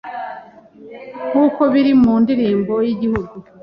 nkuko biri mu ndirimbo y’Igihug